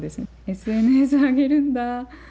ＳＮＳ上げるんだ。